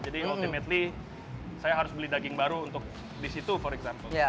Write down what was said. jadi ultimately saya harus beli daging baru untuk di situ for example